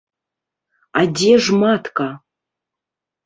А дзе ж матка?